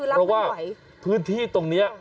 เพราะว่าพื้นที่ตรงนี้